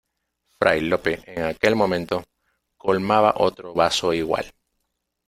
fray Lope, en aquel momento , colmaba otro vaso igual: